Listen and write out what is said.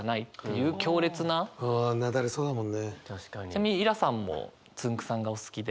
ちなみに衣良さんもつんく♂さんがお好きで。